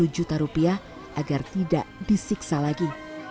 dua puluh juta rupiah agar tidak disiksa lagi